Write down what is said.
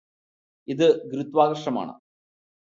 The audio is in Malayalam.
ഇത് ഗുരുത്വാകര്ഷണമാണ്